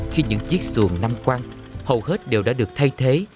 khi những chiếc xuồng nam quang hầu hết đều đã được thay thế